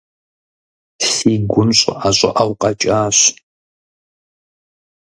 Си гум щӀыӀэ-щӀыӀэу къэкӀащ.